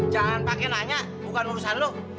jangan pakai nanya bukan urusan lo